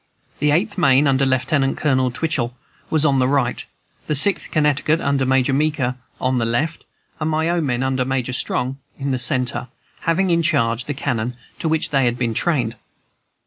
The Eighth Maine, under Lieutenant Colonel Twichell, was on the right, the Sixth Connecticut, under Major Meeker, on the left, and my own men, under Major Strong, in the centre, having in charge the cannon, to which they had been trained.